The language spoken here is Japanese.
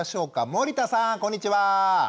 森田さんこんにちは！